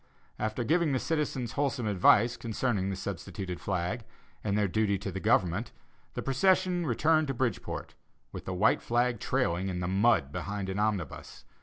After giving the citizens wholesome advice concerning the substituted flag, and their duty to the government, the procession returned to Bridgeport, with the white flag trailing in the mud behind an omnibus....